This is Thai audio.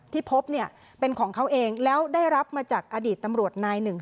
ที่พบเนี่ยเป็นของเขาเองแล้วได้รับมาจากอดีตตำรวจนายหนึ่ง